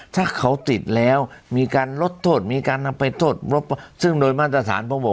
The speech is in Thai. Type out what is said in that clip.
ถ้าเขาติดแล้วมีการลดโทษมีการนำไปโทษลบซึ่งโดยมาตรฐานผมบอก